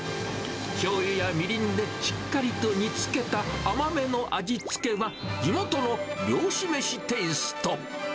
しょうゆやみりんでしっかりと煮つけた甘めの味付けは、地元の漁師飯テイスト。